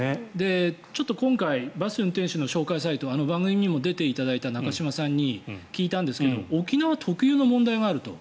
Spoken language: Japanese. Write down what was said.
ちょっと今回バスの運転手の紹介サイト番組にも出ていただいたナカシマさんに聞いたんですが沖縄特有の問題があると。